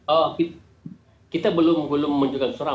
oh kita belum menunjukkan surat